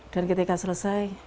dan ketika selesai